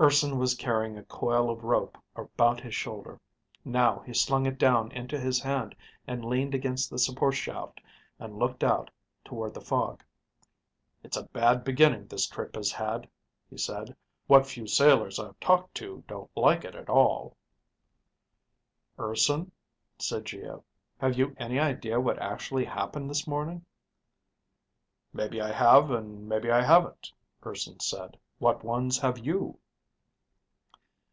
Urson was carrying a coil of rope about his shoulder. Now he slung it down into his hand and leaned against the support shaft and looked out toward the fog. "It's a bad beginning this trip has had," he said. "What few sailors I've talked to don't like it at all." "Urson," said Geo, "have you any idea what actually happened this morning?" "Maybe I have and maybe I haven't," Urson said. "What ones have you?"